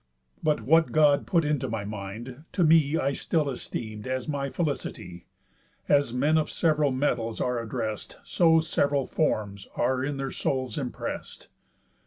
But what God put into my mind, to me I still esteem'd as my felicity. As men of sev'ral metals are address'd, So sev'ral forms are in their souls impress'd.